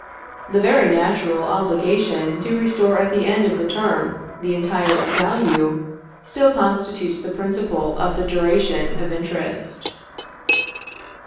The very natural obligation to restore at the end of the term the entire value, still constitutes the principle of the duration of interest.